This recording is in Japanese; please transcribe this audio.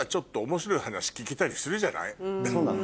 そうなの。